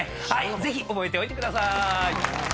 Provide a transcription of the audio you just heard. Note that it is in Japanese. ぜひ覚えておいてくださーい。